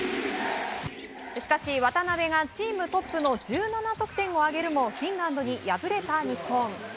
しかし、渡邊がチームトップの１７得点を挙げるもフィンランドに敗れた日本。